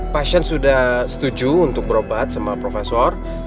pasien sudah setuju untuk berobat sama profesor